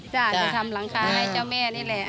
จะทำหลังคาให้เจ้าแม่นี่แหละ